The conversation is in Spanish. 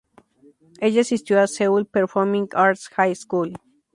Ella asistió a Seoul Performing Arts High School.